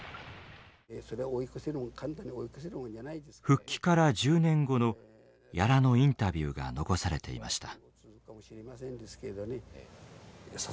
復帰から１０年後の屋良のインタビューが残されていました。